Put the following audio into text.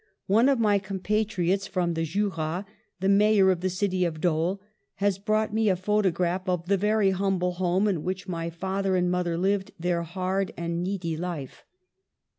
One of my compatriots from the Jura, the mayor of the city of Dole, has brought me a photo graph of the very humble home in which my father and mother lived their hard and needy life.